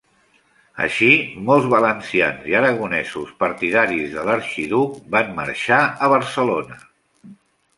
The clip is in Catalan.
Així molts valencians i aragonesos partidaris de l'Arxiduc van marxar a Barcelona.